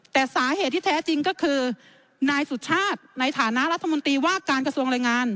แต่สาเหตุที่แท้จริงก็คือนายสุชาติในฐานะรัฐมนตรีว่าการกระทรวงแรงงาน